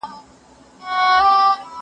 کتابتون د مور له خوا پاکيږي؟!